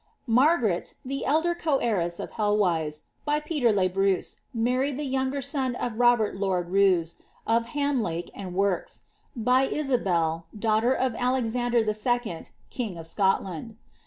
Margaret, the elder coheiress of Helwise, by Peter le Bnu, married the younger son of Robert lord Roos, of Hamlake and Werks, by Isabel, daughter of Alexander II., king of Scotland.